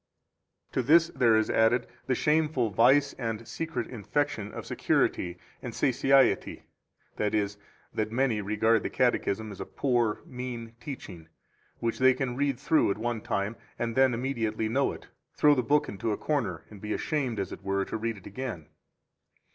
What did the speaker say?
5 To this there is added the shameful vice and secret infection of security and satiety, that is, that many regard the Catechism as a poor, mean teaching, which they can read through at one time, and then immediately know it, throw the book into a corner, and be ashamed, as it were, to read in it again.